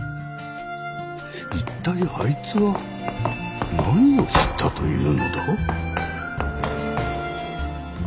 一体あいつは何を知ったというのだ？